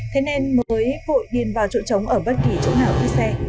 thế nên mới vội điền vào chỗ trống ở bất kỳ chỗ nào khi xe